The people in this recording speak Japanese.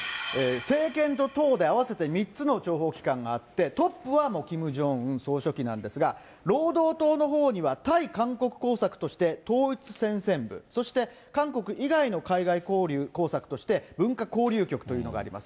政権と党で合わせて３つの諜報機関があって、トップはもうキム・ジョンウン総書記なんですが、労働党のほうには対韓国工作として、統一戦線部、そして韓国以外の海外工作として文化交流局というのがあります。